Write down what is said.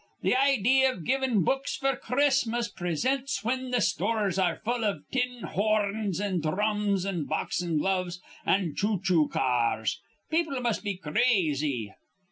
"' Th' idee iv givin' books f'r Christmas prisints whin th' stores are full iv tin hor rns an' dhrums an' boxin' gloves an choo choo ca ars! People must be crazy."